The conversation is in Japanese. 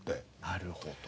なるほど。